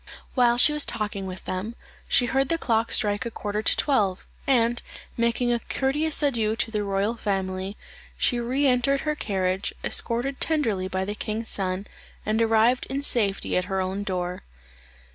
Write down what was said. While she was talking with them, she heard the clock strike a quarter to twelve, and making a courteous adieu to the royal family, she re entered her carriage, escorted tenderly by the king's son, and arrived in safety at her own door.